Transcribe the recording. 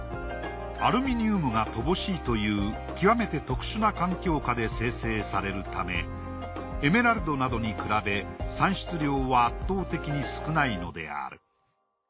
アルミニウムが乏しいという極めて特殊な環境下で生成されるためエメラルドなどに比べ産出量は圧倒的に少ないのである。